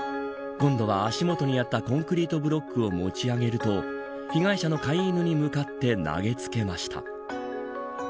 今度は足元にあったコンクリートブロックを持ち上げると被害者の飼い犬に向かって投げつけました。